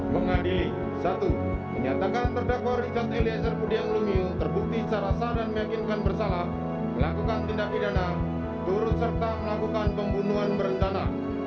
pengadilan satu menyatakan terdakwa richard eliezer budiang lumiu terbukti secara sah dan meyakinkan bersalah melakukan tindak pidana turut serta melakukan pembunuhan berencana